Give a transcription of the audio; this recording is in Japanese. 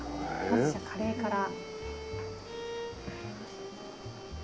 まず、カレーから。